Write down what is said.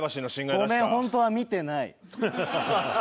ごめん本当は見てない。